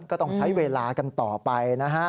ก็ต้องใช้เวลากันต่อไปนะฮะ